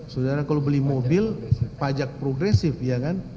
saudara kalau beli mobil pajak progresif ya kan